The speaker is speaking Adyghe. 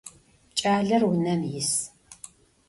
Ç'aler vunem yis.